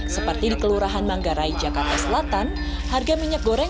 seperti di kelurahan manggarai jakarta selatan